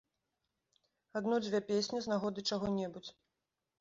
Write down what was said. Адну-дзве песні з нагоды чаго-небудзь.